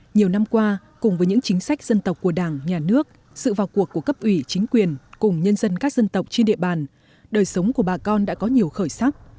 nhiều năm qua cùng với những chính sách dân tộc của đảng nhà nước sự vào cuộc của cấp ủy chính quyền cùng nhân dân các dân tộc trên địa bàn đời sống của bà con đã có nhiều khởi sắc